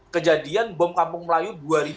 kejadian bom kampung melayu dua ribu tujuh belas